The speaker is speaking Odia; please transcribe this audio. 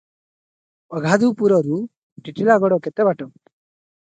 ଅଗାଧୁପୁରରୁ ଟିଟିଲାଗଡ଼ କେତେ ବାଟ?